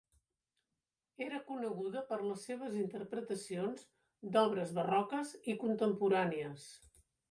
Era coneguda per les seves interpretacions d'obres barroques i contemporànies.